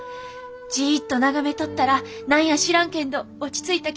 じっと眺めとったら何や知らんけんど落ち着いた気持ちになりますんや。